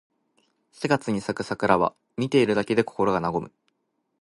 四月に咲く桜は、見ているだけで心が和む。